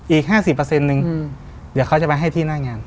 อีก๕๐นึงเดี๋ยวเขาจะไปให้ที่หน้างาน